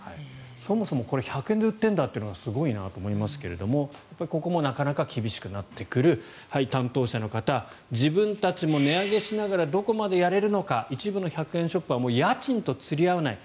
そもそも１００円で売ってることがすごいなと思いますがここもなかなか厳しくなってくる担当者の方自分たちも値上げしながらどこまでやれるのか一部の１００円ショップはもう家賃と釣り合わない。